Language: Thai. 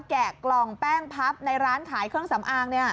แกะกล่องแป้งพับในร้านขายเครื่องสำอาง